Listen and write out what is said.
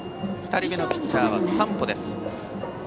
２人目のピッチャーは山保です。